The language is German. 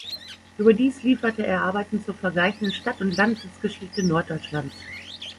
Überdies lieferte er Arbeiten zur vergleichenden Stadt- und Landesgeschichte Norddeutschlands.